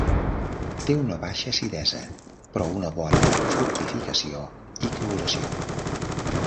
Té una baixa acidesa, però una bona fructificació i coloració.